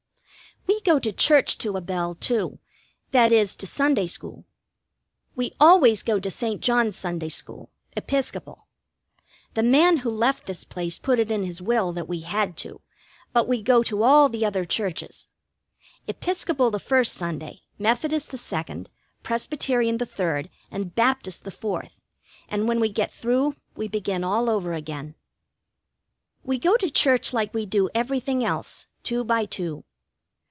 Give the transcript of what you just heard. We go to church to a bell, too; that, is to Sunday school. We always go to St. John's Sunday school Episcopal. The man who left this place put it in his will that we had to, but we go to all the other churches. Episcopal the first Sunday, Methodist the second, Presbyterian the third, and Baptist the fourth, and when we get through we begin all over again. We go to church like we do everything else, two by two.